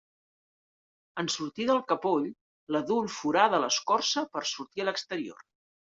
En sortir del capoll, l'adult forada l’escorça per a sortir a l’exterior.